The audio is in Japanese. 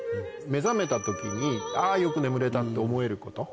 目覚めた時に「あぁよく眠れた」と思えること。